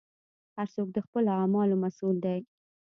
هر څوک د خپلو اعمالو مسوول دی.